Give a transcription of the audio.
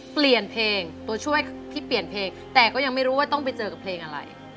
เปลี่ยนเพลงตัวช่วยที่เปลี่ยนเพลงแต่ก็ยังไม่รู้ว่าต้องไปเจอกับเพลงอะไร